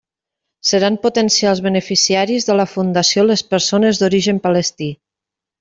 Seran potencials beneficiaris de la Fundació les persones d'origen palestí.